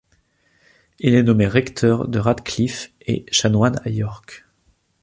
Il est nommé recteur de Radcliffe et chanoine à York.